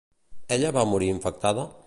Ella va morir infectada?